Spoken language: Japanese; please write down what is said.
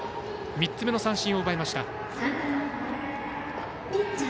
３つ目の三振を奪いました。